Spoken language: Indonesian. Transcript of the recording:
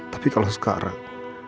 tapi kalau sekarang